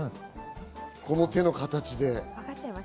この手の形で。